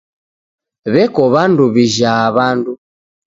Weko W'andu wijha W'andu.